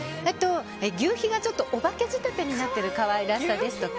あとは求肥がおばけ仕立てになっている可愛らしさですとか